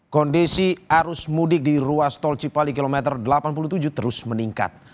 kondisi arus mudik di ruas tol cipali kilometer delapan puluh tujuh terus meningkat